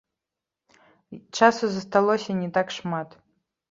Часу засталося не так шмат.